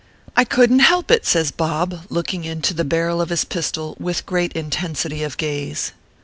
" I couldn t help it," says Bob, looking into the barrel of his pistol with great intensity of gaze.